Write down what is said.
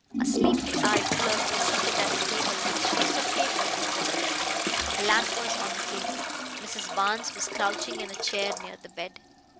A sleepy eyed clerk was seated at the table with sheets of paper before him. A lamp was on the table. Mrs. Barnes was crouching in a chair near the bed.